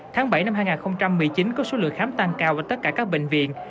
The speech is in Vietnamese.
tháng bảy năm hai nghìn một mươi chín có số lượng khám tăng cao ở tất cả các bệnh viện